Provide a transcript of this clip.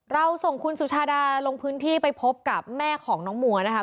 เราส่งคุณสุชาดาลงพื้นที่ไปพบกับแม่ของน้องมัวนะคะ